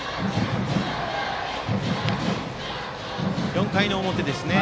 ４回の表ですね。